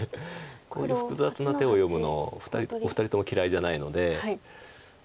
こういう複雑な手を読むのお二人とも嫌いじゃないので。